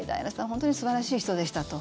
本当に素晴らしい人でしたと。